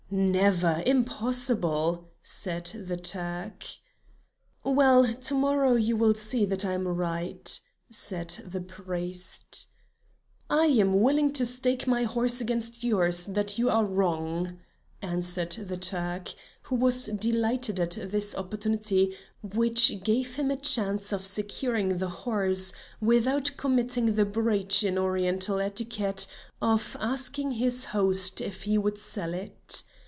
"Never! Impossible!" said the Turk. "Well, to morrow you will see that I am right," said the priest. "I am willing to stake my horse against yours, that you are wrong," answered the Turk, who was delighted at this opportunity which gave him a chance of securing the horse, without committing the breach in Oriental etiquette of asking his host if he would sell it.